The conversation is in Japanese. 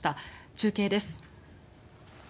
中継です。